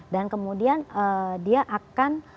dan kemudian dia akan